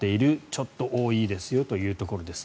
ちょっと多いですよというところです。